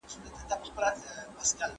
پرمختيايي هيوادونو نوي تکنالوژي وارد کړه.